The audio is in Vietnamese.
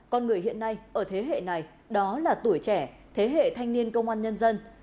con người hiện nay ở thế hệ này đó là tuổi trẻ thế hệ thanh niên công an nhân dân